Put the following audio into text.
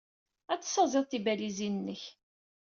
Ad tessaẓyeḍ tibalizin-nnek.